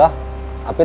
parangkali untuk kalian